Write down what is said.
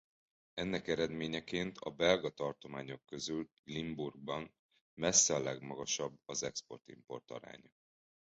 Ennek eredményeként a belga tartományok közül Limburgban messze a legmagasabb az export-import aránya.